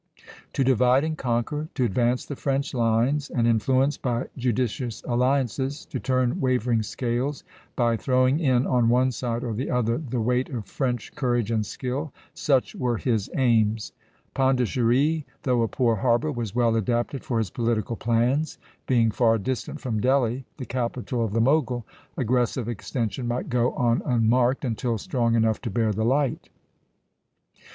To divide and conquer, to advance the French lines and influence by judicious alliances, to turn wavering scales by throwing in on one side or the other the weight of French courage and skill, such were his aims. Pondicherry, though a poor harbor, was well adapted for his political plans; being far distant from Delhi, the capital of the Mogul, aggressive extension might go on unmarked, until strong enough to bear the light.